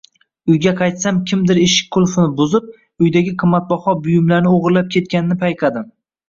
Uyga qaytsam, kimdir eshik qulfini buzib, uydagi qimmatbaho buyumlarni o'g’irlab ketganini payqadim.